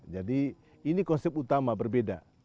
jadi ini konsep utama berbeda